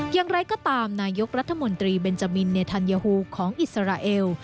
อย่างไรก็ตามนายกรัฐมนตรีเบนจามินเนธัญฮูของอิสราเอล